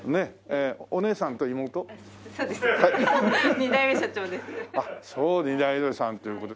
２代目社長です。